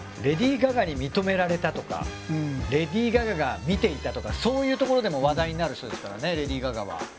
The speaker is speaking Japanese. レディー・ガガに認められたとかレディー・ガガが見ていたとかそういうところでも話題になる人ですからねレディー・ガガは。